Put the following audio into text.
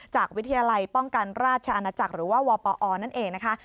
จากวิทยาลัยป้องกันราชอาณาจักรหรือว่าวปอนั่นเองนะคะ